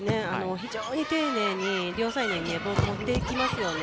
非常に丁寧に両サイドにボールを持っていきますよね。